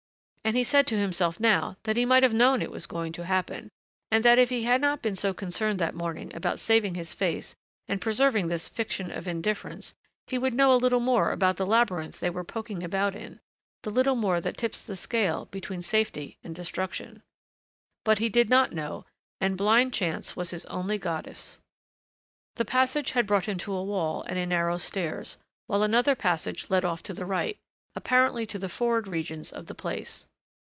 And he said to himself now that he might have known it was going to happen, and that if he had not been so concerned that morning about saving his face and preserving this fiction of indifference he would know a little more about the labyrinth they were poking about in the little more that tips the scale between safety and destruction. But he did not know and blind Chance was his only goddess. The passage had brought him to a wall and a narrow stairs while another passage led off to the right, apparently to the forward regions of the place.